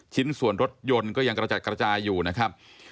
ชิ้นส่วนรถยนต์ก็ยังกระจัดกระจายอยู่นะครับ